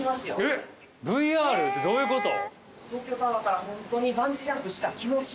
ＶＲってどういうこと？